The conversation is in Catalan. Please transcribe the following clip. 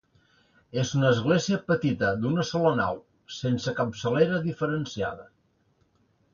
És una església petita, d'una sola nau, sense capçalera diferenciada.